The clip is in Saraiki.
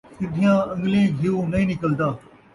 سدھیاں ان٘ڳلیں گھیو نئیں نکلدا